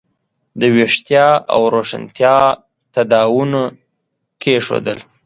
د ویښتیا او روښانتیا تاداوونه کېښودل.